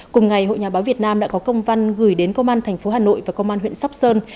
cùng ngày hội nhà báo việt nam đã có công văn gửi đến công an tp hà nội và công an huyện sóc sơn